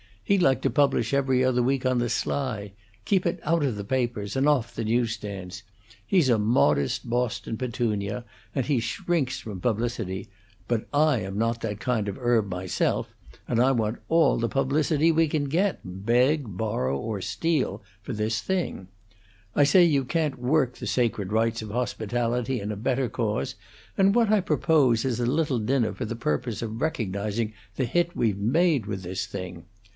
He'd like to publish 'Every Other Week' on the sly; keep it out of the papers, and off the newsstands; he's a modest Boston petunia, and he shrinks from publicity; but I am not that kind of herb myself, and I want all the publicity we can get beg, borrow, or steal for this thing. I say that you can't work the sacred rites of hospitality in a better cause, and what I propose is a little dinner for the purpose of recognizing the hit we've made with this thing.